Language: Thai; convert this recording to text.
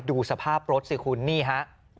ดูสภาพรถสิคุณนี่ฮะ